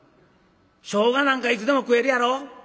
ショウガなんかいつでも食えるやろ。